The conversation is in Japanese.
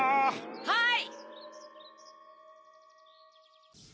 はい！